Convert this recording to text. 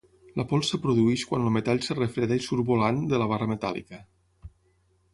La pols es produeix quan el metall es refreda i surt volant de la barra metàl·lica.